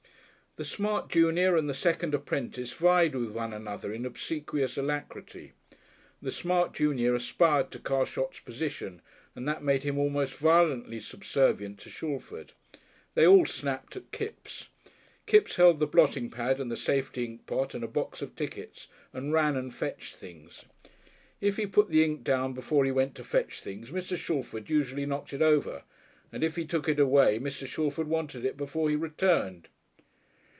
The smart junior and the second apprentice vied with one another in obsequious alacrity. The smart junior aspired to Carshot's position, and that made him almost violently subservient to Shalford. They all snapped at Kipps. Kipps held the blotting pad and the safety inkpot and a box of tickets, and ran and fetched things. If he put the ink down before he went to fetch things Mr. Shalford usually knocked it over, and if he took it away Mr. Shalford wanted it before he returned.